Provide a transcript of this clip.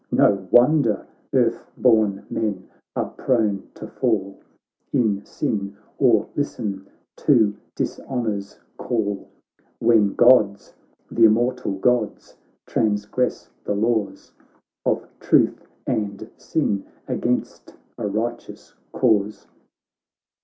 No wonder earth born men are prone to fall In sin, or listen to dishonour's call, When Gods, th' immortal Gods, trans gress the laws Of truth, and sin against a righteous cause.'